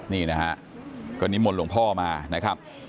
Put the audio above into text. นี่นะฮะก็นิมนต์หลวงพ่อมานะครับ